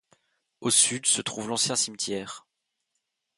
Au sud, se trouve l'ancien cimetière.